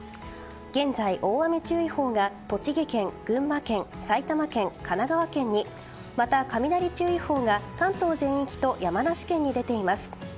現在、大雨注意報が栃木県群馬県、埼玉県、神奈川県にまた、雷注意報が関東全域と山梨県に出ています。